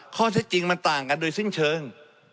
ข้อเท็จจริงมันต่างกันโดยสิ้นเชิง